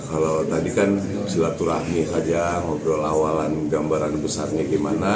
kalau tadi kan silaturahmi aja ngobrol awalan gambaran besarnya gimana